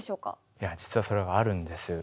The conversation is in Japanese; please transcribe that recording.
いや実はそれがあるんです。